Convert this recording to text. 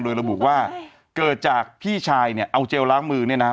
โดยระบุว่าเกิดจากพี่ชายเนี่ยเอาเจลล้างมือเนี่ยนะ